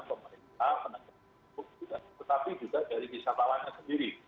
pemerintah penegak hukum tetapi juga dari wisatawannya sendiri